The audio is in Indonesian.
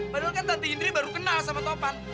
padahal kan tati indri baru kenal sama topan